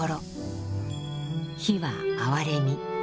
「悲」は哀れみ。